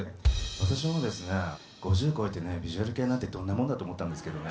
私もですね５０超えてねビジュアル系なんてどんなもんだと思ったんですけどね